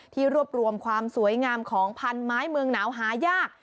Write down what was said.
รวบรวมความสวยงามของพันไม้เมืองหนาวหายาก